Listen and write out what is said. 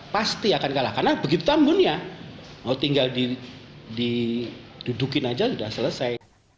pasti akan kalah karena begitu tambunnya mau tinggal didudukin aja sudah selesai